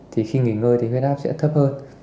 thì khi nghỉ ngơi thì huyết áp sẽ thấp hơn